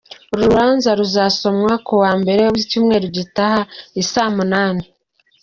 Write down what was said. Uru rubanza ruzasomwa ku wa mbere w’icyumweru gitaha i saa munani.